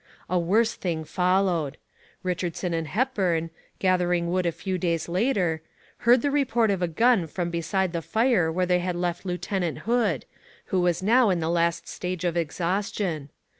A worse thing followed. Richardson and Hepburn, gathering wood a few days later, heard the report of a gun from beside the fire where they had left Lieutenant Hood, who was now in the last stage of exhaustion.